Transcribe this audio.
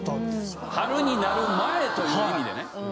春になる前という意味でね。